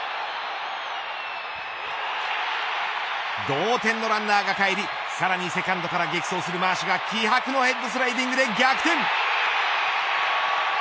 同点のランナーがかえりさらにセカンドから激走するマーシュが気迫のヘッドスライディングで逆転。